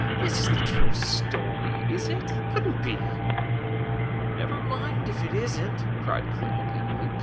This isn't a true story, is it? It couldn't be." Never mind if it isn't," cried Clement, eagerly.